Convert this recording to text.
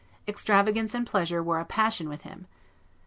Extravagance and pleasure were a passion with him.